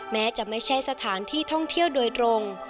แม้จะไม่ใช่สถานที่ท่องเที่ยวโดยตรง